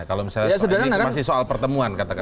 kalau misalnya ini masih soal pertemuan katakan